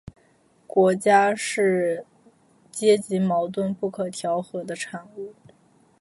国家是阶级矛盾不可调和的产物